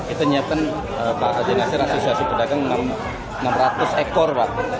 itu nyetirkan pak ajinasir asosiasi pedagang enam ratus ekor pak